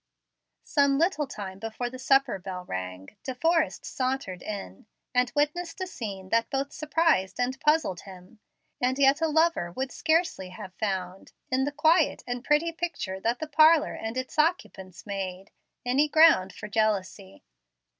Some little time before the supper bell rang, De Forrest sauntered in, and witnessed a scene that both surprised and puzzled him. And yet a lover would scarcely have found, in the quiet and pretty picture that the parlor and its occupants made, any ground for jealousy.